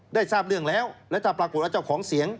ทราบเรื่องแล้วแล้วถ้าปรากฏว่าเจ้าของเสียง